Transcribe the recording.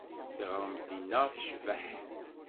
Tiɣremt-inna tecbeḥ.